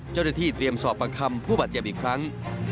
เจ้าหน้าที่เตรียมสอบประคำผู้บาดเจ็บอีกครั้ง